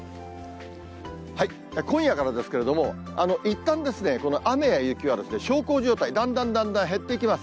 今夜からですけれども、いったんですね、この雨や雪は小康状態、だんだんだんだん減っていきます。